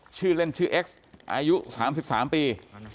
ชื่อเล่นชื่อเอ็กซ์อายุ๓๓ปี